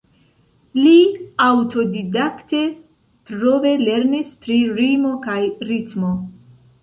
Li aŭtodidakte-prove lernis pri rimo kaj ritmo.